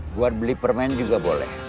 buat beli permen juga boleh